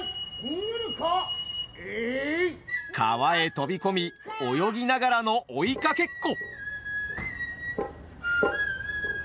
川へ飛び込み泳ぎながらの追いかけっこ！